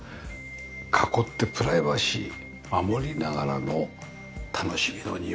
囲ってプライバシーを守りながらの楽しみの庭。